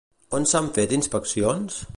On s'han fet inspeccions?